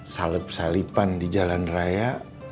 salep salipan di jalan raya